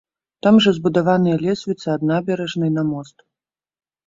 Там жа збудаваныя лесвіцы ад набярэжнай на мост.